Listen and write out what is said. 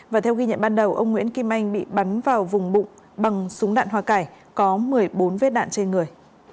và theo ghi nhận ban đầu ông nguyễn kim anh bị bắn vào vùng bụng bằng súng đạn hoa cải có một mươi bốn vết đạn trên người